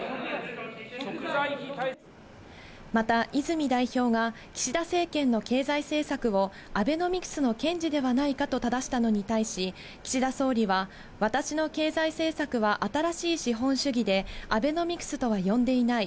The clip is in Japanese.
また泉代表が、岸田政権の経済政策をアベノミクスの堅持ではないかとただしたのに対し、岸田総理は、私の経済政策は新しい資本主義で、アベノミクスとは呼んでいない。